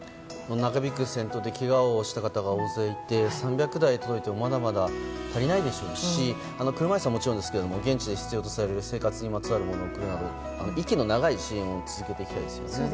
長引く戦闘でけがをした方が大勢いて３００台届いてもまだまだ足りないでしょうし車椅子はもちろんですが現地で必要とされる生活にまつわるものを贈るなど息の長い支援を続けていきたいですよね。